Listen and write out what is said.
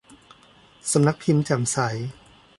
สำนักพิมพ์แจ่มใส